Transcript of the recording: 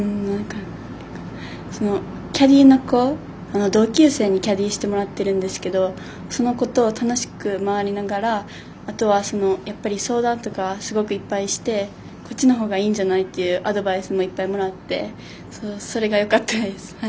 キャディーの子同級生にキャディーしてもらってるんですけどその子と楽しく回りながらあとは、相談とか、いっぱいしてこっちのほうがいいんじゃないというようなアドバイスをいっぱいもらってそれがよかったです。